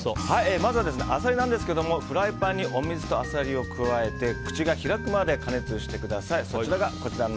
まずはアサリですがフライパンにお水とアサリを加えて口が開くまで加熱してください。